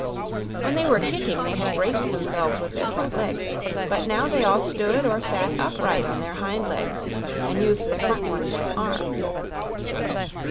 When they were kicking they had braced themselves with their front legs, but now they all stood or sat upright on their hind legs and used the front ones as arms.